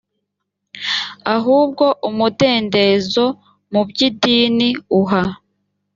ahubwo umudendezo mu by idini uha